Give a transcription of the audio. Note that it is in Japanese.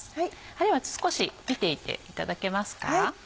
では少し見ていていただけますか。